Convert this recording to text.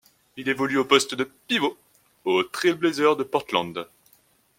Il évolue au poste de pivot aux Trail Blazers de Portland.